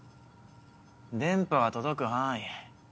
電波が届く範囲？